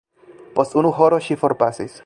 Post unu horo ŝi forpasis.